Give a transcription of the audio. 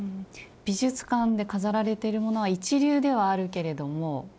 美術館で飾られてるものは一流ではあるけれども。